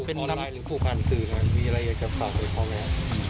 ออนไลน์หรือผูกผ่านคืนมีรายเกี่ยวข้างในข้อมือ